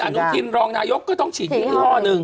อาณุรักษณ์รองนายก็ต้องฉีดยี่ห้อนึง